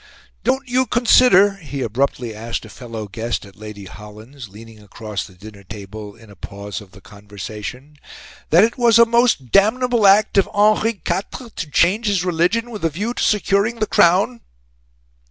"Don't you consider," he abruptly asked a fellow guest at Lady Holland's, leaning across the dinner table in a pause of the conversation, "that it was a most damnable act of Henri Quatre to change his religion with a view to securing the Crown?"